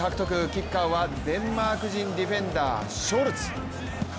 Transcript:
キッカーはデンマーク人ディフェンダー、ショルツ。